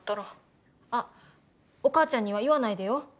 あっお母ちゃんには言わないでよ。